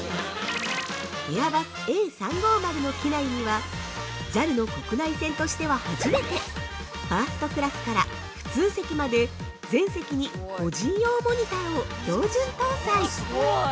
◆エアバスＡ３５０の機内にはＪＡＬの国内線としては初めてファーストクラスから普通席まで全席に個人用モニターを標準搭載。